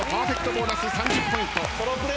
ボーナス３０ポイント。